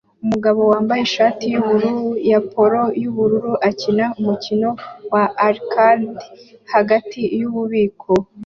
Umugabo wambaye ishati yubururu ya polo yubururu akina umukino wa arcade hagati yububiko